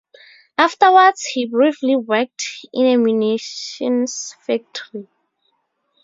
Afterwards he briefly worked in a munitions factory.